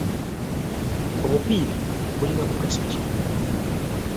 Obupiira bulina mugaso ki?